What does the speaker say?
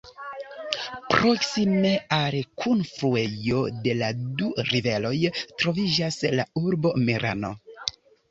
Proksime al kunfluejo de la du riveroj, troviĝas la urbo Merano.